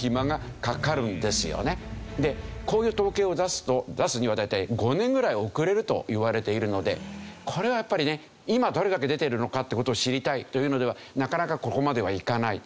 でこういう統計を出すには大体５年ぐらい遅れるといわれているのでこれはやっぱりね今どれだけ出ているのかという事を知りたいというのではなかなかここまではいかない。